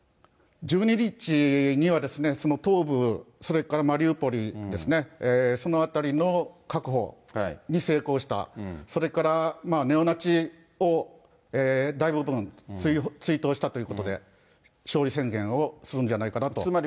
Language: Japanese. １２日には、その東部、それからマリウポリですね、その辺りの確保に成功した、それからネオナチを大部分追討したということで、勝利宣言をするんじゃないかなと思います。